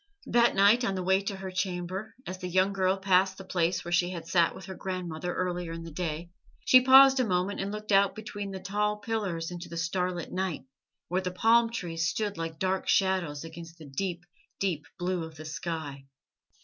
That night on the way to her chamber, as the young girl passed the place where she had sat with her grandmother earlier in the day, she paused a moment and looked out between the tall pillars into the starlit night, where the palm trees stood like dark shadows against the deep, deep blue of the sky.